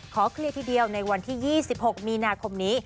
ขอเคลียร์ทีเดียวในวันที่๒๖มีนาคมนี้